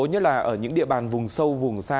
nhất là ở những địa bàn vùng sâu vùng xa